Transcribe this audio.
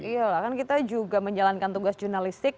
iya lah kan kita juga menjalankan tugas jurnalistik